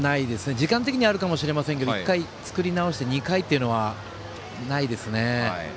時間的にはあるかもしれませんが１回作り直して２回っていうのはないですね。